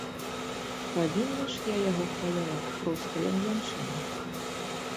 Павінна ж я яго хваляваць, проста, як жанчына.